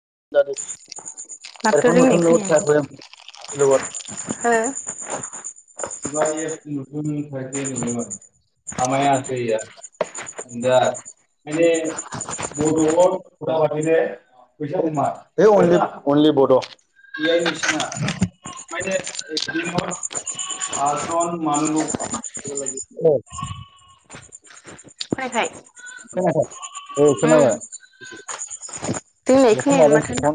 क्टर ring [unintelligible] माथो रिंनाय खोनाया? [unintelligible] कबा नथुन ाइ नयो मान खामाया [unintelligible] दा माने बर'आव‌ [unintelligible] अनलि बद' ए आइ निसोना माने एक दिनर आासान मानलु [unintelligible] फरायखाय खोनायाखै औ खोनोबाय। देलाय खोनायानो माथो होनदां।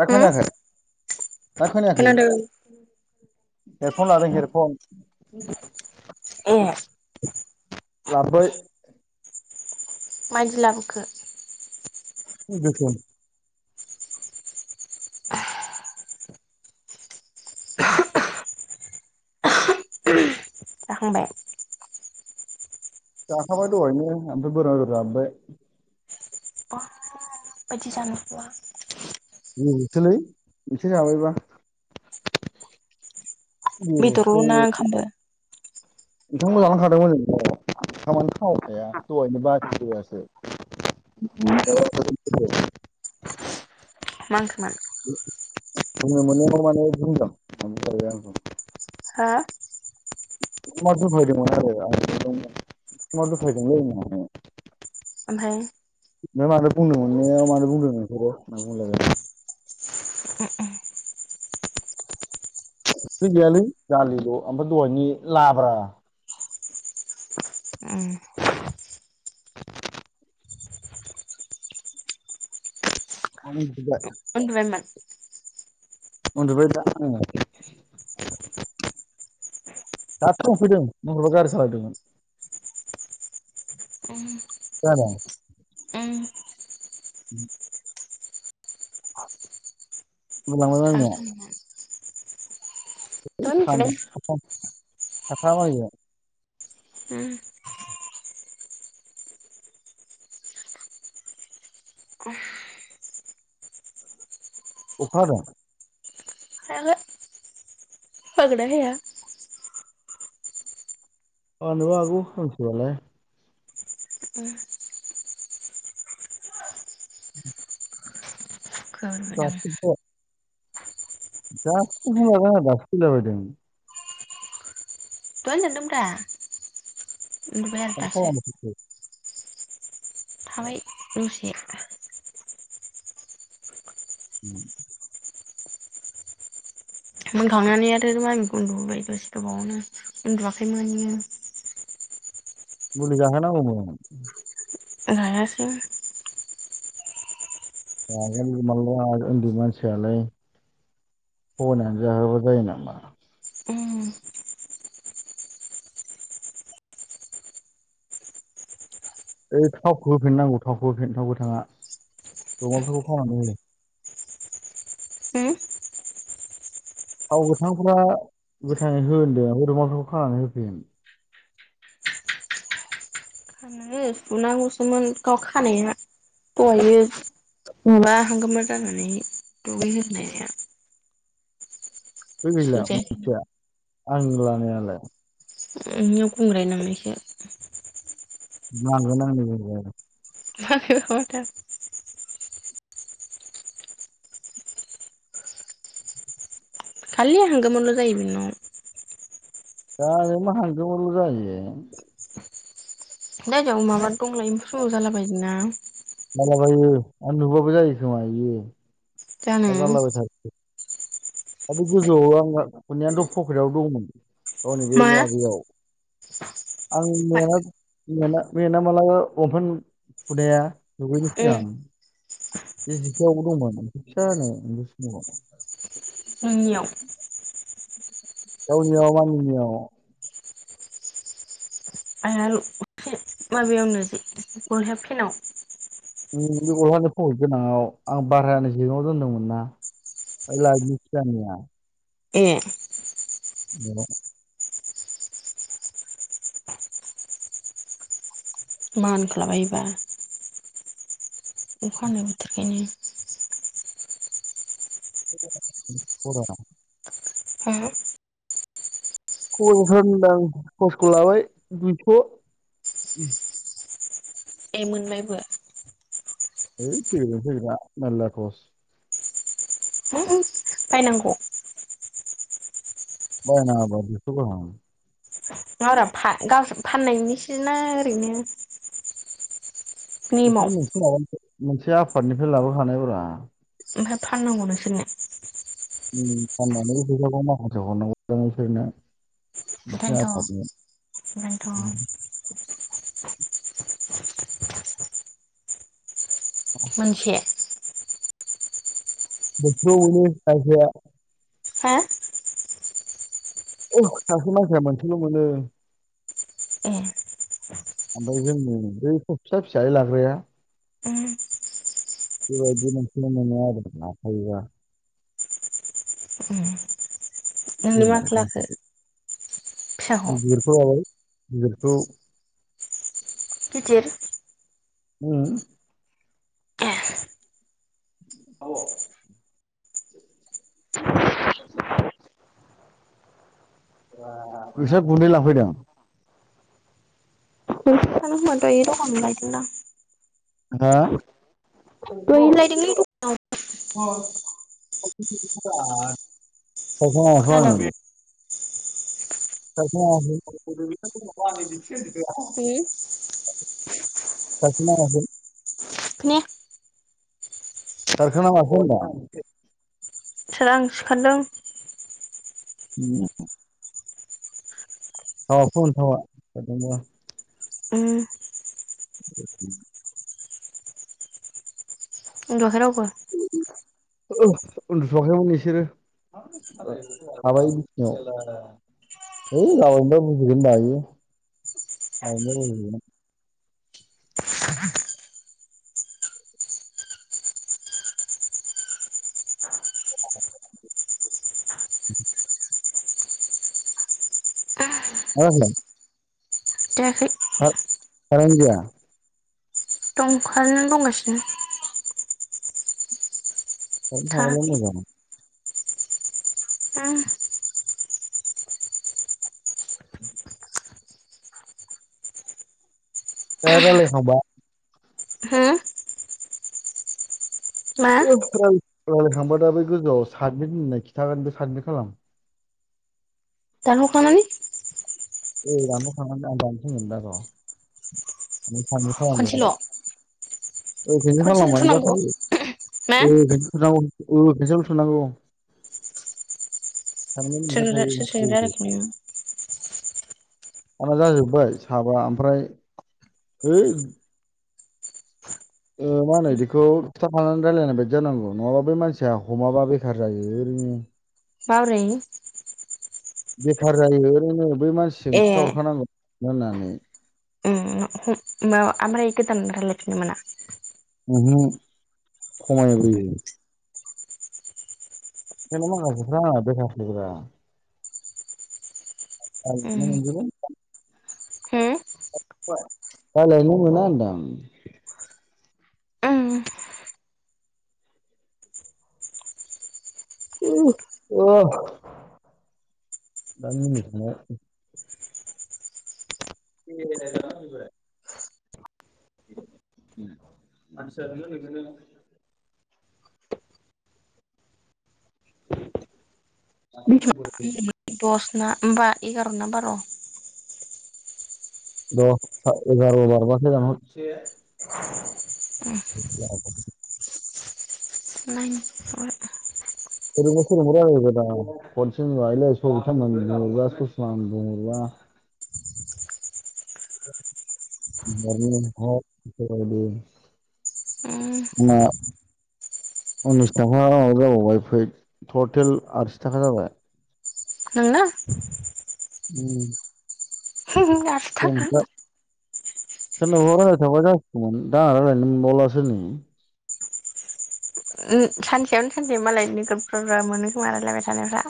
दा उम खोनायाखै? दा खोनायाखै? खोनादों हेरफन लादों हेरफन। ए। लाबोबाय। माइदि लाबोखो? गोसोम। जाखांबाय? जाखाबाय दहायनो ओमफ्राय बोरमा बेदर जाबोबाय। माबादि जानोखौ? उम [unintelligible] सोलै मोनसे जाबायबा। बेदरल ना ओंखामबो ओंखामखो जालांखादोंमोन [unintelligible] ओंखामानो थावखाया दहायनो बासियासो मा [unintelligible] मा [unintelligible] [unintelligible] हा [unintelligible] दफायदोंमोन आरो [unintelligible] दफायदों [unintelligible] ओमफाय बे मानो बुंनो मोनायाव मानो बुंदो‌ नोंसोरो होनना बुंलायबाय खै गैयालै दालिल' ओमफ्राय दहायनि लाब्रा। [unintelligible] उन्दुबायमोन? उन्दुबायब्रा आङो। दासो मोनफैदों [unintelligible] गारि सालायदोंमोन। उम खोनादों? उम उम मोजां मोनबाय थाबाय थादोंमोन दहाय उन्दुदों उम [unintelligible] अखा हादों। हागोना हाया। हानोबो हागौ खोमसिबालाय? उम [inaudible] होदों हो दहाय [unintelligible] [unintelligible] दासो फैलाबायदों। दहायनो दानदों ब्र ओमफ्राय आरो दासो। खालामफैखो? थाबाय दसे उम मोनखांनानै आरो मामिखौ उन्दुहोबा दसे गोबावनो उन्दुआखैमोन इयो। मुलि जाहोनांगौमोन। लायाखै [unintelligible] उन्दै मानसियालाय थगायनानै जाहोआबा जायो नामा? ओइ थावखौ होफिननांगौ थावखौ होफिन थाव गोथाङा [unintelligible] खावनानै हो। उम थाव गोथांफ्रा गोथाङै हो होन्दों [unintelligible] खानानै होफिन। खानांगो फुनांगौसोमोन गाव खानाया दहायो। माबा हांगोमोर जानानै दुगै होनाया। बे गैला [unintelligible] आं लानायालाय? नोंनियाव गुंग्राय नांनायसो। नांगोन आंनि गुंग्राय। [unintelligible] खालि हांगोमोनल जायो बिनाव दा आरो मा हांगोमोनल जायो। जायगायावनो माबा दंलायो एम्फु सुमु जाला बायोना? जालाबायो आं नुबाबो जायो खोमा बियो जानो दा जालाबाय थासिगोन। आरो गोजौआव आं [unintelligible] पकेटआव दंमोन गावनि बे मा लआ बैयाव [inaudible] आं मेना मेना मेला माला लंफेन हुदाया दुगैनोसै उम आं बे जिफोरावबो दंमोन मोनसे फिसानो एम्फौ सुमुआव नोंनियाव गावनियाव आंनियाव माबेयाव नोजि गलहेब फेनाव बे बहानो फहर गोनाङाव आं बारायानो जेगाव दोनदोंमोन ना [unintelligible] ए। बेनाव मान खालामैबा अखा हानाय बोथोरखायनो [unintelligible] होम खस फ होनदां खसखौ लाबाय दुइस' ए मोनबायबो। बै फैगौ फैगा मेरला [unintelligible] [unintelligible] बायनांगौ बाय नांआबा बिखौ [unintelligible] नंआबा बा गाव फाननायनि सोना ओरैनो नेमाव बिसोरो मोनसे म मोनसे आफादनिफ्राय लाबोखानाय ब्रा ओमफ्राय फाननांगौ नोंसोरनिया ओम फाननानैबो फैसाखौ माखासे हरनांगजाङसनो ओंखायनोथ' ओंखायनोथ' [unintelligible] मोनसे। बेथ'नो जया [unintelligible] हा सासे मानसिया मोनसेल' मोनो ए ओमफ्राय जोंनि बैथ' फिसा फिसायै लाग्राया उम बेबायायदि मोनसे मोनो आरो लाखायोबा उम नोंनो माखो लाखो [unintelligible] फिसाखौ बेखौ किर होम औ। नोंसोर गुन्दै लाफैदों [unintelligible] हा। दहायनो लायदोंलै दखानाव दखानाव [unintelligible] [unintelligible] उम [unintelligible] खोनाया कारखोना माखो होनदां सोर आं सिखारदों औ फन [unintelligible] ओम [unintelligible] उदुआखै रावबो। औ उन्दुथ'आखैमोन बिसोरो [unintelligible] [unintelligible] [unintelligible] [unintelligible] दाखै कारेन गैया दंखानानै दंगासिनो कारेन थाब्ला थाङाखै मोजां उम ए रामरायखांबा हो मा थांबा दा बै गोजौआव सादमिट होननाय खिथागोन बे सादमिट खालाम दानहर खांनानै और आं‌ दा थांना‌ दान्नो‌ रिंगटोन दा 'र साबमिट खनसेल' खालामनायखौ [unintelligible] औ फेस खनसेल'थ' नांगौ मा आव ल थुनांगौ। [unintelligible] सोर सोर सोरजों ओंखारखायो रायलायखो नोङो आंना जाजोब्बाय साबा ओमफ्राय हैइ ओ मा होनो इदिखौ थाफानानै रायलायनाय बायदि जानांगौ नङाबा बे मानसिया हमाबा बेखार जायो ओरै उम माबोरै बेखार जायो ओरैनो बै मानसिजों ए खिथाहरखानांगौ। होननानै आमफ्राय गोदान लायरायफिननो‌ मोना? ओंहो खमायबोयो माखासे फ्रा बेकारसो ब्रा औ भुनो उम मोनजोबगोन थां होम लायलायनो नो‌ मोना होनदां उम [unintelligible] दा मिनिथोंल' [unintelligible] [unintelligible] मा होननांगौ? दस ना होमबा एगार' ना बार'? दस एगार' बारबानो दानहर। [unintelligible] [unintelligible] [unintelligible] [unintelligible] बुंहरग्रा ससमान बुंहरा [inaudible] [unintelligible] आंना उम उननिस थाखा माबा जाबावबाय फै टेल आसि थाखा जाबाय नोंना उम जों आसिथाखा दा सोरनावबा रायज्लायथाबा जसिगमोन दा रायज्लायनो मोनबावलासो नै। सानसेयावनो सानसे मालाय नोगद बुरजा बुरजा मोनो खोमा रायलायबाय थानायफ्रा।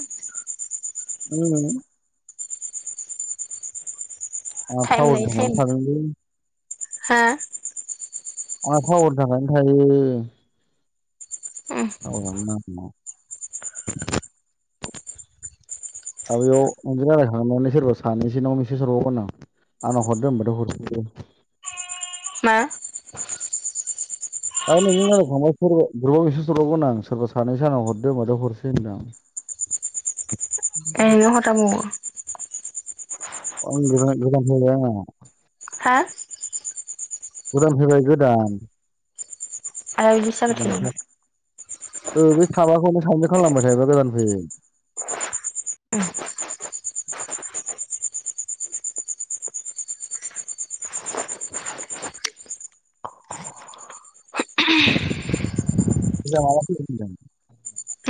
उम आं टाइम थावर लायै थांनानै टाइम थादोंलै। हा आंहा थावरनि थाखायनो‌ थायो। उम थावारानो नाङा। दा बेयाव नोंजों रायलायखांनानै सोरबा सानैसो नाव मेसेज हरबावगोन आं। आंनाव हरदो होनोमबथाय' हरफिनखायो। मा दा नोंजों रायलायखांबा सोरबा ग्रुबाव मिसेस हरबावगोन आं सोरबा सानैसो आंनाव हरदो होमबाथाय हरसै होनदां। ए नों हरजाबावो? [unintelligible] हा गोदान फैबाय गोदान आरो इदिसो जागासिनो ए बे साबाखौनो साबमिट खालामबाय थायोबा गोदान फैयो। [unintelligible] [unintelligible]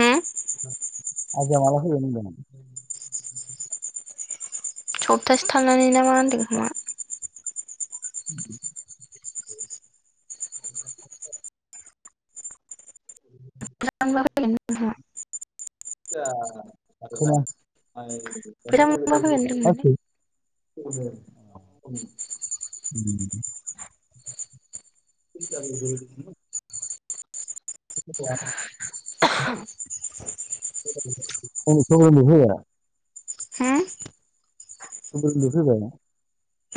होम माला फैगोन होनदों? सप्तासे थानानै ना मा होनदों होमा। [unintelligible] [unintelligible] [unintelligible] फैलांबा फैगोन होनदोंमोनलै [unintelligible] [unintelligible] [unintelligible] [unintelligible] [unintelligible] [unintelligible] उम फैबाय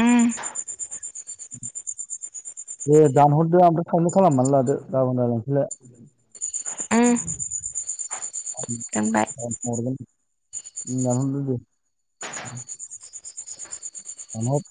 उम [inaudible] दे दानहरदो आमफ्राय फायम' खालामनानै लादो गाबोन रायलायनोसैलाय। उम। [unintelligible] दोनबाय उम दानहरदो दे। [inaudible] दानहद।